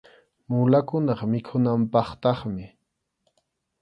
Mulakunap mikhunanpaqtaqmi.